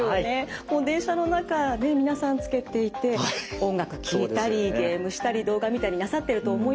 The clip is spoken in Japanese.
もう電車の中ね皆さんつけていて音楽聴いたりゲームしたり動画見たりなさってると思います。